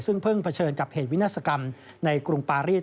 ซึ่งเพิ่งเผชิญกับเหตุวินาศกรรมในกรุงปารีส